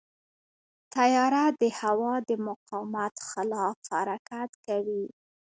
طیاره د هوا د مقاومت خلاف حرکت کوي.